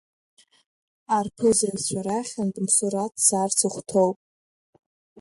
Арԥызаҩцәа рахьынтә Мсураҭ дцарц ихәҭоуп!